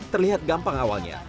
terlihat gampang awalnya